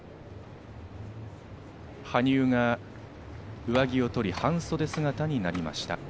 羽生が上着を取り半袖姿になりました。